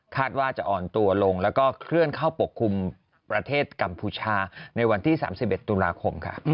ว่าจะอ่อนตัวลงแล้วก็เคลื่อนเข้าปกคลุมประเทศกัมพูชาในวันที่๓๑ตุลาคมค่ะ